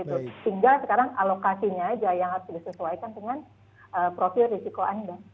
tinggal sekarang alokasinya aja yang harus disesuaikan dengan profil risiko anda